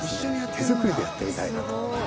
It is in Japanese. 手作りでやってみたいなと。